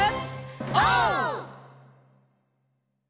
オー！